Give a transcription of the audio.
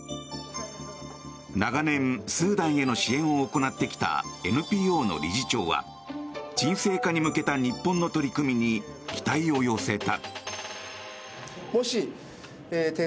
長年、スーダンへの支援を行ってきたＮＰＯの理事長は沈静化に向けた日本の取り組みに期待を寄せた。